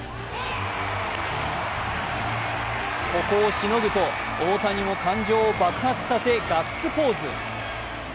ここをしのぐと大谷も感情を爆発させガッツポーズ。